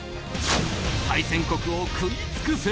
対戦国を食い尽くせ！